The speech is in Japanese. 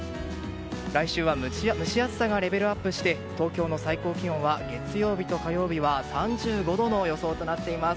来週は蒸し暑さがレベルアップして東京の最高気温は月曜日と火曜日３５度の予想となっています。